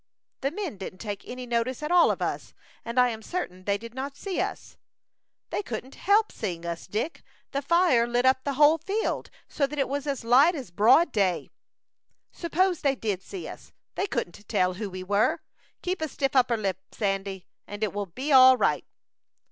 "The men didn't take any notice at all of us, and I am certain they did not see us." "They couldn't help seeing us, Dick. The fire lit up the whole field, so that it was as light as broad day." "Suppose they did see us; they couldn't tell who we were. Keep a stiff upper lip, Sandy, and it will be all right."